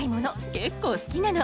結構好きなの。